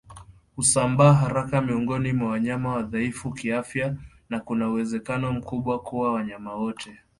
Husambaa haraka miongoni mwa wanyama wadhaifu kiafya na kuna uwezekano mkubwa kuwa wanyama wote